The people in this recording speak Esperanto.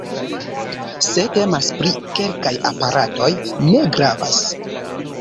Se temas pri kelkaj aparatoj, ne gravas.